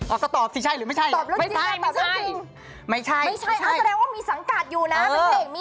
อ้าวก็ตอบสิใช่หรือไม่ใช่ไม่ใช่